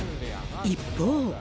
一方。